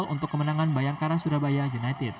untuk kemenangan bayangkara surabaya united